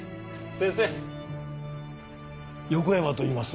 先生横山といいます。